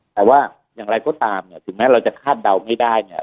แต่ว่าอย่างไรก็ตามเนี่ยถึงแม้เราจะคาดเดาไม่ได้เนี่ย